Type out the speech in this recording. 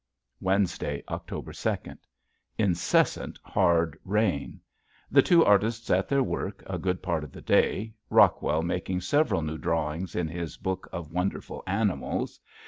Wednesday, October second. Incessant, hard rain. The two artists at their work a good part of the day, Rockwell making several new drawings in his book of wonderful animals.